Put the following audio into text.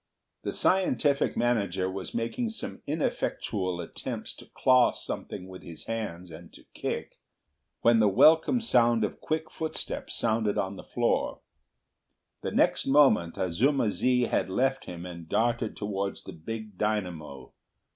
The scientific manager was making some ineffectual attempts to claw something with his hands and to kick, when the welcome sound of quick footsteps sounded on the floor. The next moment Azuma zi had left him and darted towards the big dynamo.